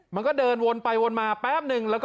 มันก็เดินวนไปวนมาแป๊บนึง